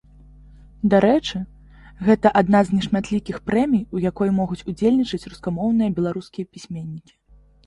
Дарэчы, гэта адна з нешматлікіх прэмій, у якой могуць удзельнічаць рускамоўныя беларускія пісьменнікі.